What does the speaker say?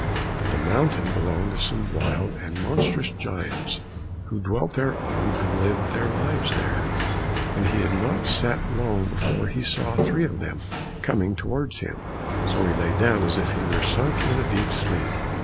But the mountain belonged to some wild and monstrous giants who dwelt thereon and lived their lives there, and he had not sat long before he saw three of them coming towards him, so he lay down as if he were sunk in a deep sleep.